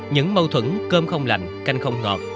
những mâu thuẫn cơm không lạnh canh không ngọt